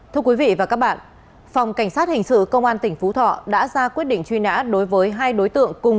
thưa quý vị và các bạn phòng cảnh sát hình sự công an tỉnh phú thọ đã ra quyết định truy nã đối với hai đối tượng cùng